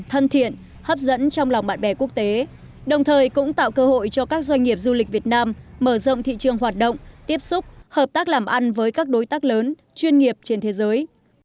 thân thiện hấp dẫn trong lòng bạn bè quốc tế đồng thời cũng tạo cơ hội cho các doanh nghiệp du lịch việt nam mở rộng thị trường hoạt động tiếp xúc hợp tác làm ăn với các đối tác lớn chuyên nghiệp trên thế giới